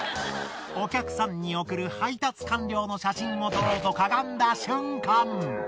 お客さんに送る配達完了の写真を撮ろうとかがんだ瞬間